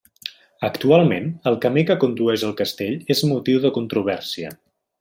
Actualment, el camí que condueix al castell és motiu de controvèrsia.